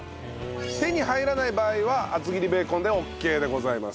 手に入らない場合は厚切りベーコンでオッケーでございます。